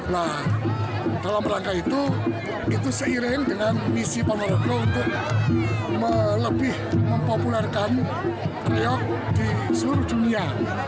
nah dalam rangka itu itu seiring dengan misi ponorogo untuk lebih mempopulerkan rio di seluruh dunia